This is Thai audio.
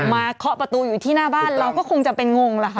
เคาะประตูอยู่ที่หน้าบ้านเราก็คงจะเป็นงงล่ะค่ะ